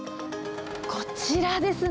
こちらですね。